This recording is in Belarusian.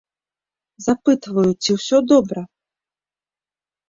Запытваю, ці ўсё добра?